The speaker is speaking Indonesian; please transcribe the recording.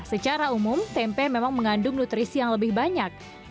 secara umum tempe memang mengandung nutrisi yang lebih banyak